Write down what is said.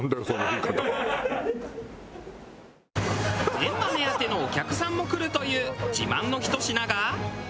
メンマ目当てのお客さんも来るという自慢のひと品が。